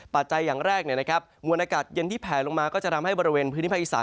อย่างแรกมวลอากาศเย็นที่แผลลงมาก็จะทำให้บริเวณพื้นที่ภาคอีสาน